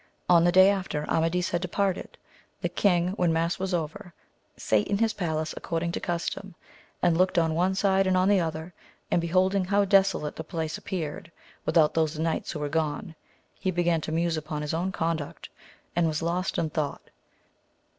On the day after Amadis had departed, the king when mass was over sate in his palace according to custom, and looked on one side and on the other, and beholding how desolate the place appeared without those knights who were gone, he began to muse upon his own conduct, and was lost in thought.